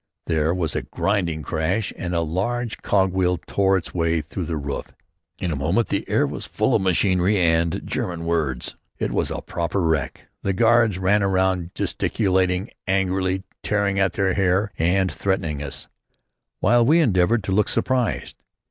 There was a grinding crash, and a large cogwheel tore its way through the roof. In a moment, the air was full of machinery and German words. It was a proper wreck. The guards ran around gesticulating angrily, tearing their hair and threatening us, while we endeavoured to look surprised.